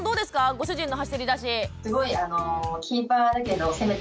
ご主人の走り出し。